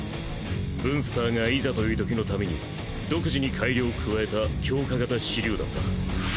ブンスターがいざというときのために独自に改良を加えた強化型手りゅう弾だ。